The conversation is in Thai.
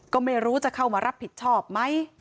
ก็ไม่รู้จะเข้ามารับผิดชอบไหม